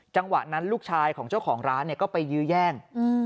จังหวะนั้นลูกชายของเจ้าของร้านก็ไปยื้อแย่ง